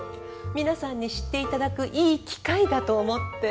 皆さんに知っていただくいい機会だと思って。